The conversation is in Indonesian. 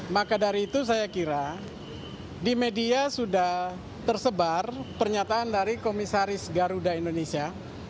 maka dari itu saya kira di media sudah tersebar pernyataan dari komisaris garuda indonesia